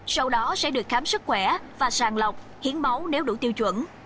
sau đó sẽ được khám sức khỏe và sàng lọc hiến máu nếu đủ tiêu chuẩn